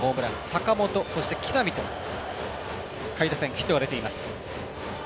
坂本、そして木浪と下位打線ヒットが出ています。